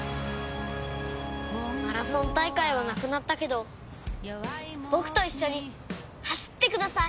マラソン大会はなくなったけど僕と一緒に走ってください！